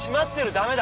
ダメだ